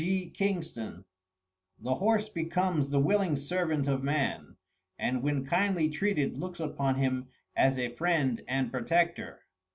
G. Kingston The horse becomes the willing servant of man, and when kindly treated looks upon him as a friend and protector.